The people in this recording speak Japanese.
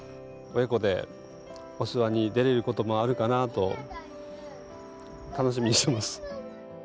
親子でお諏訪に出れることもあるかなと、楽しみにしてます。